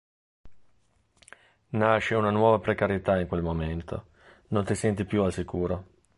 Nasce una nuova precarietà in quel momento, non ti senti più al sicuro.